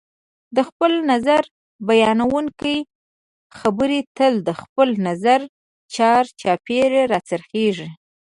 د خپل نظر بیانونکي خبرې تل د خپل نظر چار چاپېره راڅرخیږي